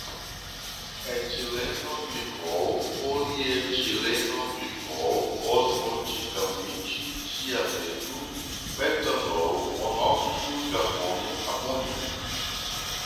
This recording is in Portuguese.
etilenoglicol, polietilenoglicol, osmoticamente, cianeto, metanol, monóxido de carbono, amônia